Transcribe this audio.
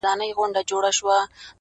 • چي د ملا خبري پټي ساتي ـ